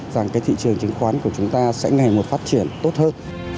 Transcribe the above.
rằng cái thị trường chứng khoán của chúng ta sẽ ngày một phát triển tốt hơn